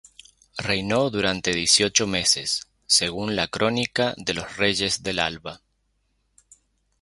Reinó durante dieciocho meses, según la Crónica de los reyes de Alba.